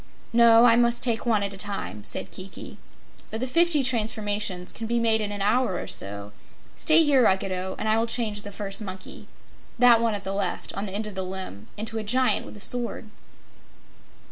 "No, I must take one at a time," said Kiki. "But the fifty transformations can be made in an hour or so. Stay here, Ruggedo, and I will change the first monkey that one at the left, on the end of the limb into a Giant with a sword."